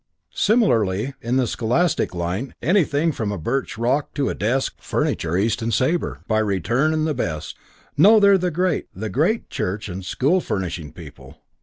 Similarly in the scholastic line, anything from a birch rod to a desk Fortune, East and Sabre, by return and the best. No, they're the great, the great, church and school furnishing people.